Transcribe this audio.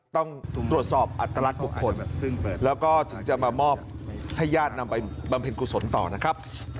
ต้องตรวจสอบอัตลักษณ์บุคคลแล้วก็ถึงจะมามอบให้ญาตินำไปบำเพ็ญกุศลต่อนะครับ